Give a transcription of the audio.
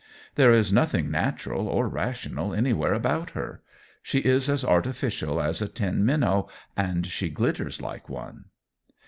There is nothing natural or rational anywhere about her. She is as artificial as a tin minnow and she glitters like one.